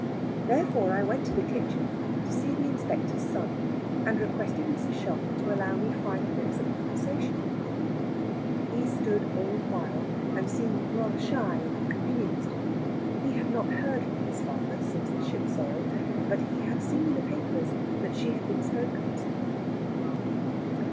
Therefore I went to the kitchen to see the Inspector's son, and requested Mrs. Shelfer to allow me five minutes of conversation with him. He stood all the while, and seemed rather shy and confused. He had not heard from his father, since the ship sailed; but he had seen in the papers that she had been spoken somewhere.